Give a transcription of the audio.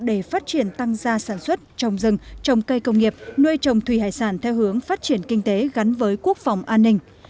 để phát triển tăng gia sản xuất trồng rừng trồng cây công nghiệp nuôi trồng thủy hải sản theo hướng phát triển kinh tế gắn với quốc phòng an ninh